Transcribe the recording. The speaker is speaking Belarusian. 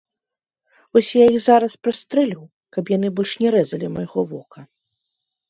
Вось я іх зараз прастрэлю, каб яны больш не рэзалі майго вока.